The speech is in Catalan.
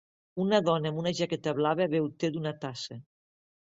Una dona amb una jaqueta blava beu te d'una tassa.